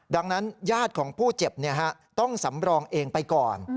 ดังนั้นญาติของผู้เจ็บต้องสำรองเองไปก่อน